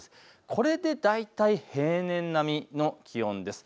これで大体平年並みの気温です。